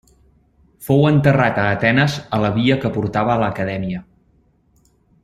Fou enterrat a Atenes a la via que portava a l'Acadèmia.